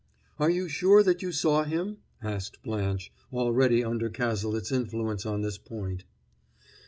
"Are you sure that you saw him?" asked Blanche, already under Cazalet's influence on this point.